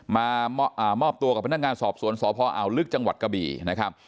มามอบตัวกับพนักงานสอบสวนสพอ่าวลึกจังหวัดกะบี่นะครับ